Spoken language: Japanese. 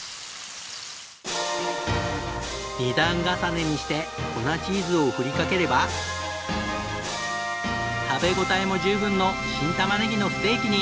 ２段重ねにして粉チーズを振りかければ食べ応えも十分の新たまねぎのステーキに！